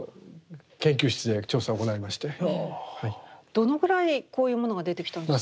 どのぐらいこういうものが出てきたんですか？